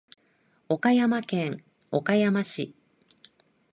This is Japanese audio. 岡山県岡山市